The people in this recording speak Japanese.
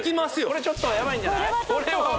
これちょっとヤバいんじゃない？